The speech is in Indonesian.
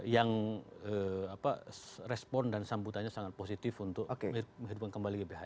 yang respon dan sambutannya sangat positif untuk menghidupkan kembali gbhn